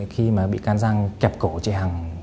khi mà bị can giang kẹp cổ chị hằng